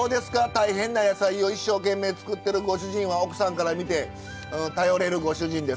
大変な野菜を一生懸命作ってるご主人は奥さんから見て頼れるご主人ですか？